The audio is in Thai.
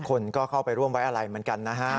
คนก็เข้าไปร่วมไว้อะไรเหมือนกันนะฮะ